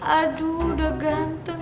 aduh udah ganteng